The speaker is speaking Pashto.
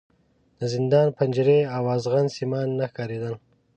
د زندان پنجرې او ازغن سیمان نه ښکارېدل.